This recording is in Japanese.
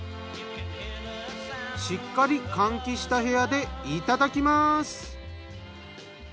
しっかり換気した部屋でいただきます。